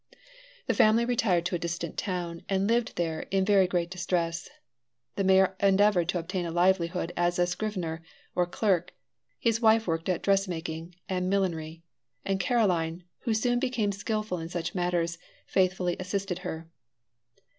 The family retired to a distant town, and lived there in very great distress. The mayor endeavored to obtain a livelihood as a scrivener, or clerk; his wife worked at dressmaking and millinery, and Caroline, who soon became skillful in such matters, faithfully assisted her.